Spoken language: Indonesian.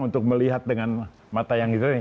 untuk melihat dengan mata yang gitu